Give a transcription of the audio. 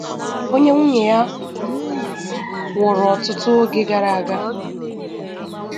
onye nwunye ya nwụrụ ọtụtụ oge gara